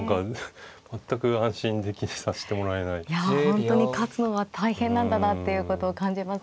いや本当に勝つのは大変なんだなっていうことを感じます。